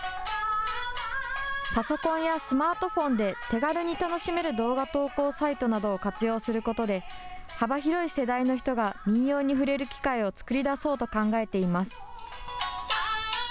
パソコンやスマートフォンで、手軽に楽しめる動画投稿サイトなどを活用することで、幅広い世代の人が民謡に触れる機会を作り出そうと考えています。